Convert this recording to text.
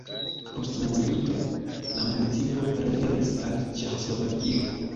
Post la milito la municipo revenis al Ĉeĥoslovakio.